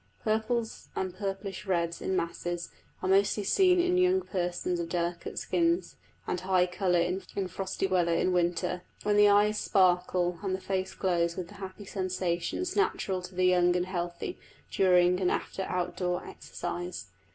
Purples and purplish reds in masses are mostly seen in young persons of delicate skins and high colour in frosty weather in winter, when the eyes sparkle and the face glows with the happy sensations natural to the young and healthy during and after outdoor exercise.